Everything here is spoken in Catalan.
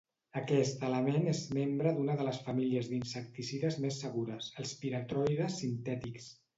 Aquest element és membre d'una de les famílies d'insecticides més segures, els piretroides sintètics.